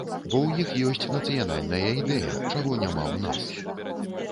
Бо ў іх ёсць нацыянальная ідэя, чаго няма ў нас.